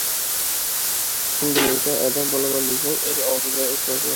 Shunday ekan, odam bo‘laman desangiz, el og‘ziga e’tibor bermang!